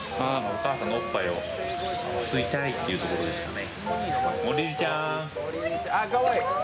お母さんのおっぱいを吸いたいというところですね。